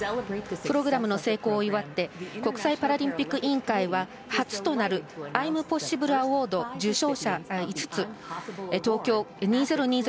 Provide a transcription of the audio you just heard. プログラムの成功を祈って国際パラリンピック委員会は初となるアイムポッシブル・アワード受賞者５つ東京２０２０